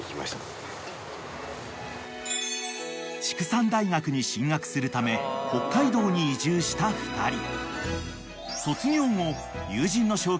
［畜産大学に進学するため北海道に移住した２人］